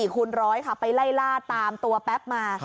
คูณร้อยค่ะไปไล่ล่าตามตัวแป๊บมา